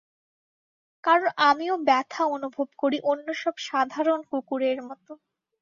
কারণ আমিও ব্যথা অনুভব করি অন্যসব সাধারণ কুকুরের মতো।